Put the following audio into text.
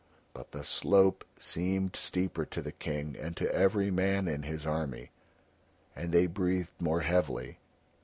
But the slope seemed steeper to the King and to every man in his army, and they breathed more heavily.